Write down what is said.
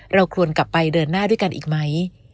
เราควรกลับไปเดินหน้าด้วยกันอีกไหม